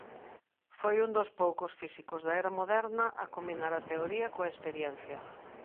Foi un dos poucos físicos da era moderna a combinar a teoría coa experiencia.